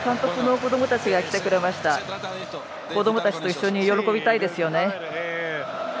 子どもたちと一緒に喜びたいですよね。